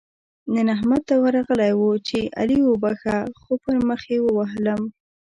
نن احمد ته ورغلی وو؛ چې علي وبښه - خو پر مخ يې ووهلم.